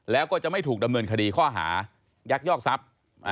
แล้วก็จะไม่ถูกดำเนินคดีข้อหายักยอกทรัพย์